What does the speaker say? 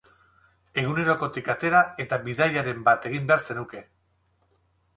Egunerokotik atera eta bidaiaren bat egin behar zenuke.